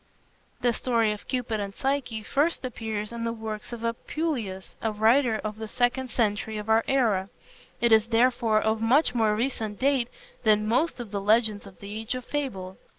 The story of Cupid and Psyche first appears in the works of Apuleius, a writer of the second century of our era. It is therefore of much more recent date than most of the legends of the Age of Fable.